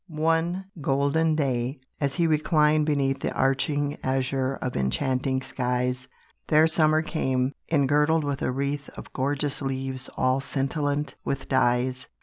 One golden day, as he reclined beneath The arching azure of enchanting skies, Fair Summer came, engirdled with a wreath Of gorgeous leaves all scintillant with dyes.